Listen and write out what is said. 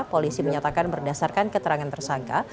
polisi menyatakan berdasarkan keterangan tersangka